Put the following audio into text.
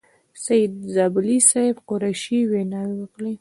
سعید زابلي صاحب، قریشي ویناوې وکړې.